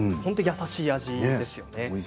優しい味ですよね。